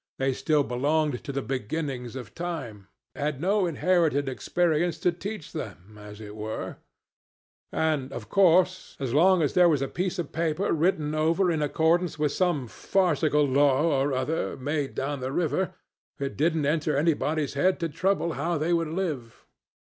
They still belonged to the beginnings of time had no inherited experience to teach them as it were), and of course, as long as there was a piece of paper written over in accordance with some farcical law or other made down the river, it didn't enter anybody's head to trouble how they would live.